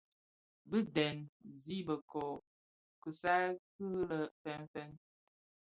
Bi dèn ziň bikö kisaï ki dhi lè fènfèn.